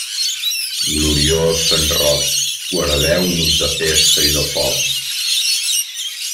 Gloriós sant Roc, guardeu-nos de pesta i de foc.